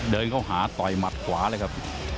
เดินเข้าหาต่อยหมัดขวาเลยครับ